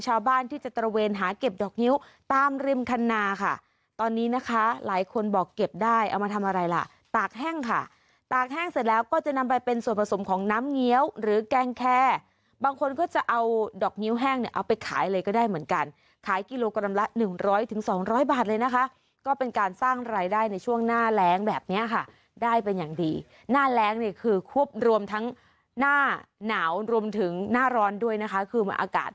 แห้งค่ะตากแห้งเสร็จแล้วก็จะนำไปเป็นส่วนผสมของน้ำเงี้ยวหรือแกงแคบางคนก็จะเอาดอกนิ้วแห้งเนี้ยเอาไปขายอะไรก็ได้เหมือนกันขายกิโลกรัมละหนึ่งร้อยถึงสองร้อยบาทเลยนะคะก็เป็นการสร้างรายได้ในช่วงหน้าแร้งแบบเนี้ยค่ะได้เป็นอย่างดีหน้าแร้งเนี้ยคือควบรวมทั้งหน้าหนาวรวมถึงหน้าร้อนด้วยนะคะ